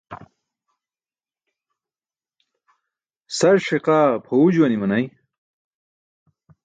Sar ṣiqaa pʰaẏuu juwan i̇manay.